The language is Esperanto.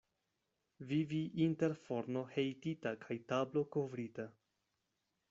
Vivi inter forno hejtita kaj tablo kovrita.